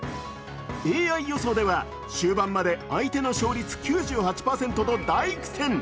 ＡＩ予想では終盤まで相手の勝率９８％と大苦戦。